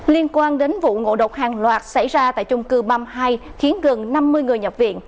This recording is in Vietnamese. liên quan đến vụ ngộ độc hàng loạt xảy ra tại chung cư băm hai khiến gần năm mươi người nhập viện